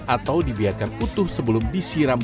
atau dibiarkan utuh sebelum disiram